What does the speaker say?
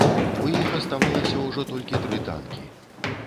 У іх аставалася ўжо толькі тры танкі.